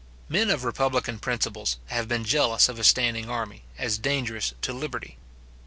Men of republican principles have been jealous of a standing army, as dangerous to liberty.